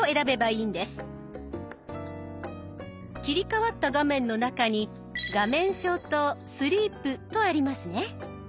切り替わった画面の中に「画面消灯」とありますね。